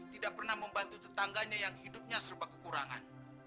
tidak pernah membantu tetangganya yang hidupnya serba kekurangan